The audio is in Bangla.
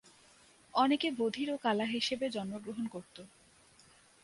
অনেকে বধির ও কালা হিসেবে জন্মগ্রহণ করত।